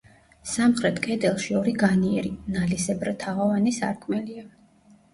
სამხრეთ კედელში ორი განიერი, ნალისებრთაღოვანი სარკმელია.